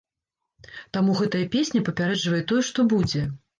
Таму гэтая песня папярэджвае тое, што будзе.